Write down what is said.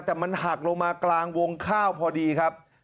แต่มันหักลงมากลางวงข้าวพอดีครับ